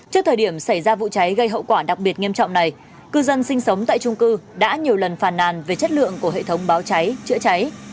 trước thời điểm xảy ra vụ cháy gây hậu quả đặc biệt nghiêm trọng này cư dân sinh sống tại trung cư đã nhiều lần phàn nàn về chất lượng của hệ thống báo cháy chữa cháy